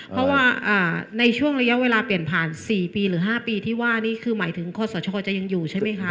เพราะว่าในช่วงระยะเวลาเปลี่ยนผ่าน๔ปีหรือ๕ปีที่ว่านี่คือหมายถึงคอสชจะยังอยู่ใช่ไหมคะ